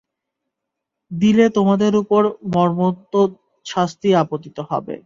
দিলে তোমাদের উপর মর্মন্তুদ শাস্তি আপতিত হবে।